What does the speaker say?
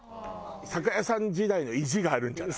酒屋さん時代の意地があるんじゃない？